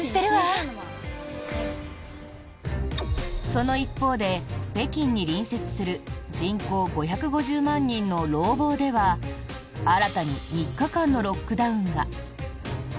その一方で、北京に隣接する人口５５０万人の廊坊では新たに３日間のロックダウンが。